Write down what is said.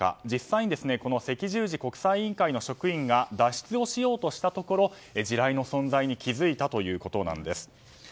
実際に赤十字国際委員会の職員が脱出をしようとしたところ地雷の存在に気付いたということです。